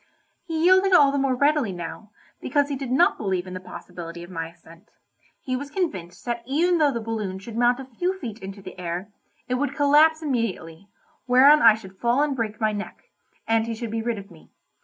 He yielded all the more readily now, because he did not believe in the possibility of my ascent; he was convinced that even though the balloon should mount a few feet into the air, it would collapse immediately, whereon I should fall and break my neck, and he should be rid of me.